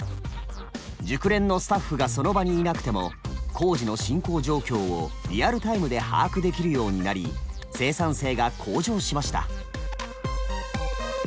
熟練のスタッフがその場にいなくても工事の進行状況をリアルタイムで把握できるようになり生産性が向上しました。